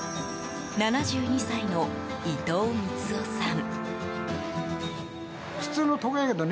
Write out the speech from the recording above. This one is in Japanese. ７２歳の伊藤美津夫さん。